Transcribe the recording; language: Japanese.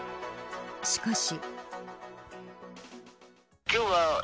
しかし。